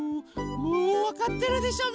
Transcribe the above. もうわかってるでしょ？